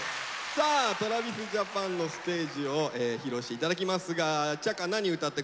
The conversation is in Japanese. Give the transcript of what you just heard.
さあＴｒａｖｉｓＪａｐａｎのステージを披露して頂きますがちゃか何歌ってくれますか？